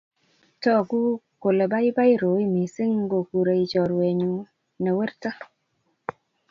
Tagu kole baibai Roy missing ngokurei chorwenyu me werto